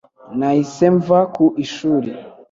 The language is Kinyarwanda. Nahise mva ku ishuri